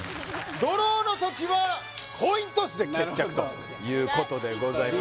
ドローの時はコイントスで決着ということでございます